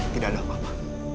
tidak ada apa apa